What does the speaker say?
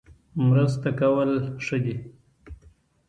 مرسته کول ښه دي